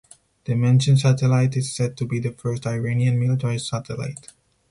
The mentioned satellite is said to be the first Iranian military satellite.